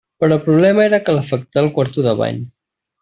Però el problema era calefactar el quarto de bany.